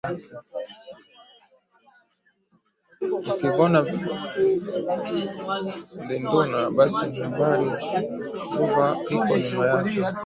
Ukivona dhinduna basi hambari huva iko nyuma ake.